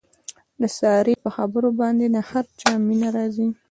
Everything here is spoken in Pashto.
د سارې په خبرو باندې د هر چا مینه راځي.